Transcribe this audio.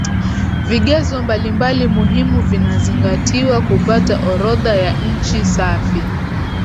Vigezo mbalimbali muhimu vinazingatiwa kupata orodha ya nchi safi